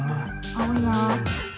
青いなあ。